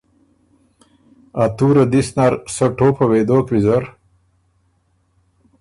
ا تُوره دِس نر سۀ ټوپه وې دوک ویزر